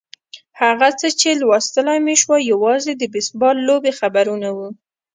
هغه څه چې لوستلای مې شوای یوازې د بېسبال لوبې خبرونه وو.